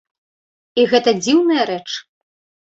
І гэта дзіўная рэч!